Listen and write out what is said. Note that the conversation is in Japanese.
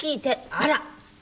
あら！